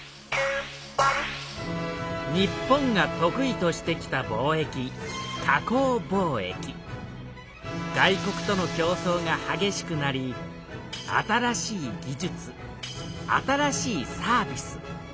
日本が得意としてきた貿易外国との競争がはげしくなり新しい技術新しいサービス